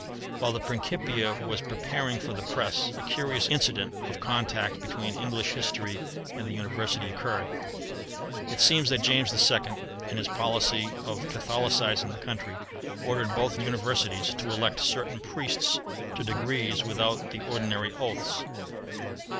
While the Principia was preparing for the press a curious incident of contact between English history and the University occurred. It seems that James II., in his policy of Catholicising the country, ordered both Universities to elect certain priests to degrees without the ordinary oaths.